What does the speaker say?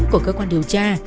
của cơ quan điều tra